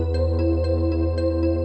saya mau ke hotel ini